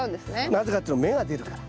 なぜかっていうのは芽が出るから。